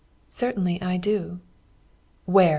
"'Certainly I do.' "'Where?